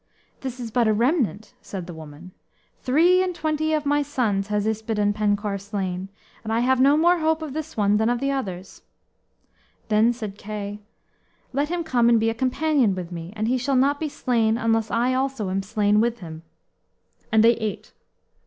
"This is but a remnant," said the woman. "Three and twenty of my sons has Yspadaden Penkawr slain, and I have no more hope of this one than of the others." Then said Kay, "Let him come and be a companion with me, and he shall not be slain unless I also am slain with him." And they ate.